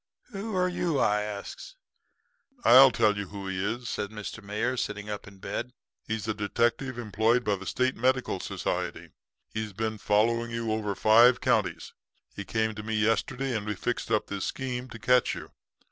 "'Who are you?' I asks. "'I'll tell you who he is,' says Mr. Mayor, sitting up in bed. 'He's a detective employed by the State Medical Society. He's been following you over five counties. He came to me yesterday and we fixed up this scheme to catch you.